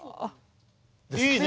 いいね！